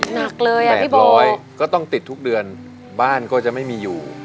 แบบร้อยก็ต้องติดทุกเดือนบ้านก็จะไม่มีอยู่